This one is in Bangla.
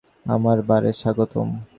আমার বারে স্বাগতম।